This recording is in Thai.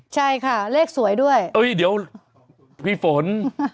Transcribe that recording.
ใช่ค่ะเลขสวยด้วยเอ้ยเดี๋ยวพี่ฝน